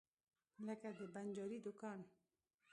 لکه د بنجاري دکان.